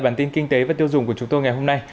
bản tin kinh tế và tiêu dùng của chúng tôi ngày hôm nay